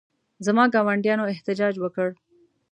زما ګاونډیانو احتجاج وکړ.